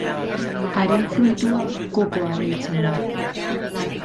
Haren fruitua kokoa deitzen da.